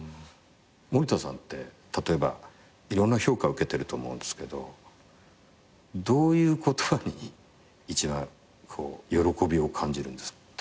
森田さんって例えばいろんな評価受けてると思うんですけどどういうことに一番喜びを感じるんですか？